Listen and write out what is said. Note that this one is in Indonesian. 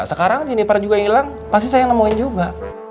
sekarang jeniper juga yang hilang pasti saya yang nemuin juga